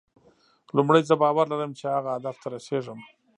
لومړی زه باور لرم چې هغه هدف ته رسېږم.